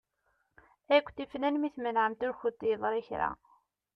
Ay kent-ifnan mi tmenεemt ur kent-yeḍri kra.